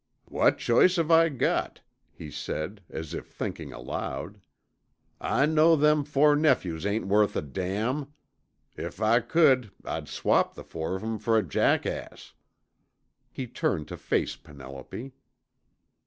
"What choice have I got," he said, as if thinking aloud, "I know them four nephews ain't worth a damn. If I could, I'd swap the four of 'em fer a jackass." He turned to face Penelope.